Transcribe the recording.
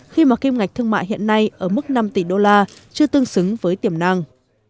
khi mà kim ngạch thương mại hiện nay ở mức năm tỷ đô la chưa tương xứng với tiềm năng